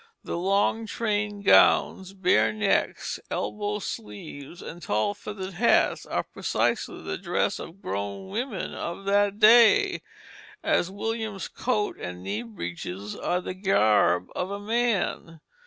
The long trained gowns, bare necks, elbow sleeves, and tall feathered hats are precisely the dress of grown women of that day, as William's coat and knee breeches are the garb of a man.